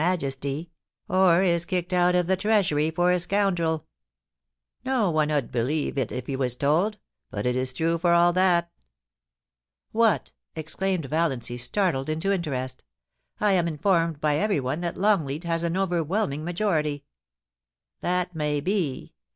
Majesty, or is kicked out of the Treasury for a scoundrel No one 'ud believe it if he was told, but it is true for all that' * What !' exclaimed Valiancy, startled into interest * I am informed by everyone that Longleat has an overwhelm ing majority.' * That may be.